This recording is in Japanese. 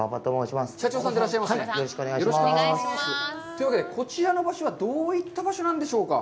というわけで、こちらの場所はどういった場所なんでしょうか。